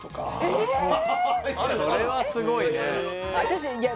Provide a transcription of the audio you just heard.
それはすごいね私いや